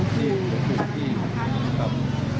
พระครูสันติครับ